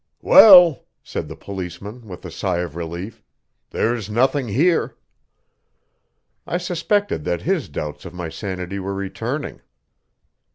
"Well," said the policeman, with a sigh of relief, "there's nothing here." I suspected that his doubts of my sanity were returning.